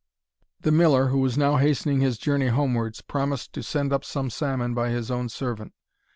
The Miller, who was now hastening his journey homewards, promised to send up some salmon by his own servant.